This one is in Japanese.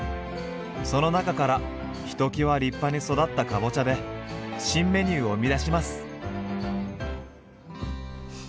その中からひときわ立派に育ったかぼちゃで新メニューを生み出します。